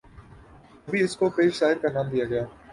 کبھی اسکو پیر صاحب کا نام دیا گیا